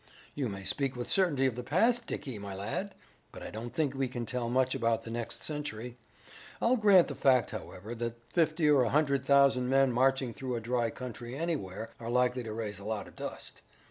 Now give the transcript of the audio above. "You may speak with certainty of the past, Dickie, my lad, but I don't think we can tell much about the next century. I'll grant the fact, however, that fifty or a hundred thousand men marching through a dry country anywhere are likely to raise a lot of dust.